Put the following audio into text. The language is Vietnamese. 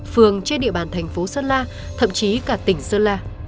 phường trên địa bàn thành phố sơn la thậm chí cả tỉnh sơn la